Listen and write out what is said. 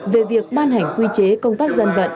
về việc ban hành quy chế công tác dân vận